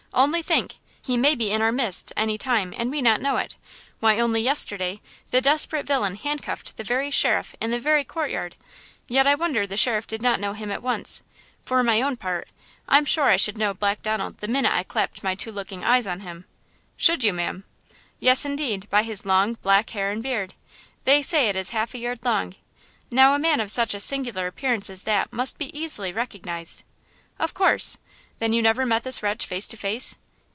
Only think, he may be in our midst any time, and we not know it! Why, only yesterday the desperate villain handcuffed the very sheriff in the very courtyard! Yet I wonder the sheriff did not know him at once! For my own part, I'm sure I should know Black Donald the minute I clapped my two looking eyes on him!" "Should you, ma'am?" "Yes, indeed, by his long, black hair and beard! They say it is half a yard long–now a man of such a singular appearance as that must be easily recognized!" "Of course! Then you never met this wretch face to face?"